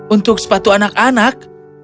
untuk sepatu anak anak